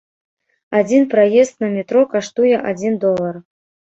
Адзін праезд на метро каштуе адзін долар.